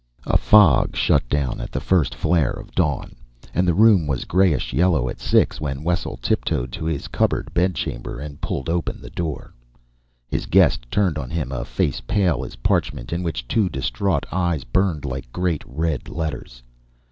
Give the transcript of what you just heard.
A fog shut down at the first flare of dawn, and the room was grayish yellow at six when Wessel tiptoed to his cupboard bedchamber and pulled open the door. His guest turned on him a face pale as parchment in which two distraught eyes burned like great red letters.